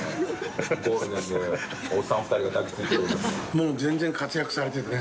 もう全然活躍されててね。